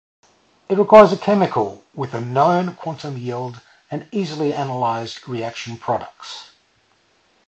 It requires a chemical with a known quantum yield and easily analyzed reaction products.